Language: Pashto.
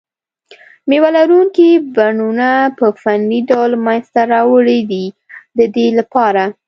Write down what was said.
مېوه لرونکي بڼونه په فني ډول منځته راوړي دي د دې لپاره.